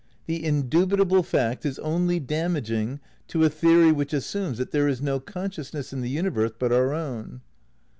The indubitable fact is only damaging to a theory which assumes that there is no consciousness in the universe but our own.